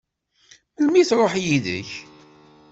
Melmi i tṛuḥ yid-k?